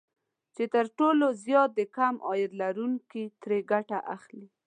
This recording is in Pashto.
چې تر ټولو زيات د کم عاید لرونکي ترې ګټه اخلي